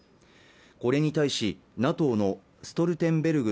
これに対しＮＡＴＯのストルテンベルグ